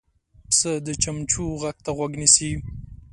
پسه د چمچمو غږ ته غوږ نیسي.